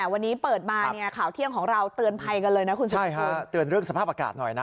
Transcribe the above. วันนี้เปิดมาเนี่ยข่าวเที่ยงของเราเตือนภัยกันเลยนะคุณชนะใช่ฮะเตือนเรื่องสภาพอากาศหน่อยนะ